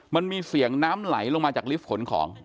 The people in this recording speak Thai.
มันมีเสียงน้ำไหลลงมาจากลิฟต์ขนของ